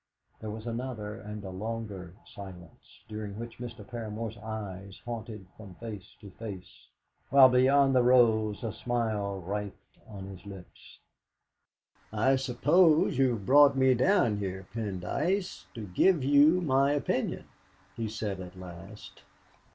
There was another and a longer silence, during which Mr. Paramor's eyes haunted from face to face, while beyond the rose a smile writhed on his lips. "I suppose you have brought me down here, Pendyce, to give you my opinion," he said at last.